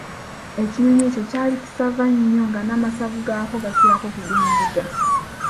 Ekinyonyi ekyo ky'ali kisava nnyo, nga n'amasavu g'akyo gakirako ku g'endiga.